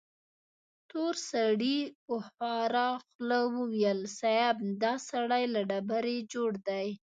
تور سړي په خواره خوله وويل: صيب! دا سړی له ډبرې جوړ دی.